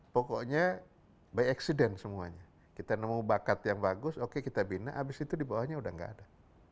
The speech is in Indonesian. pokoknya by accident semuanya kita nemu bakat yang bagus oke kita bina abis itu di bawahnya udah gak ada